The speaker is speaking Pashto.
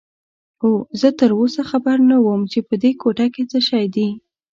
اوه، زه تراوسه خبر نه وم چې په دې کوټه کې څه شی دي.